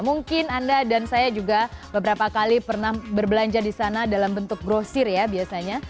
mungkin anda dan saya juga beberapa kali pernah berbelanja di sana dalam bentuk grosir ya biasanya